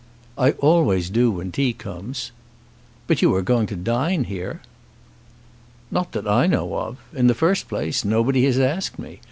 "I always do when tea comes." "But you are going to dine here?" "Not that I know of. In the first place, nobody has asked me.